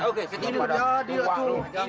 oke segini udah adil tuh